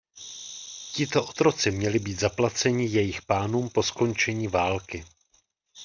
Tito otroci měli být zaplacení jejich pánům po skončení války.